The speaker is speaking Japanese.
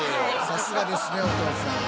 さすがですねお父さん。